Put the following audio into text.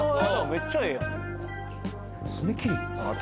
めっちゃええやんあっ